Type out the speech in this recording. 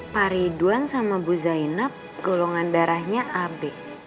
pari duan sama bu zainab golongan darahnya ab